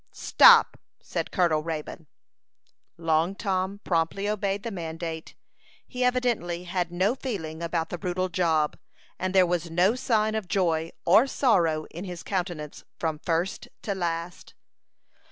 "Stop!" said Colonel Raybone. Long Tom promptly obeyed the mandate. He evidently had no feeling about the brutal job, and there was no sign of joy or sorrow in his countenance from first to last.